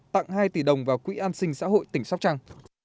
tặng hai tỷ đồng vào quỹ an sinh xã hội tỉnh sóc trăng